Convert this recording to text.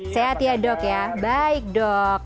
sehat ya dok ya baik dok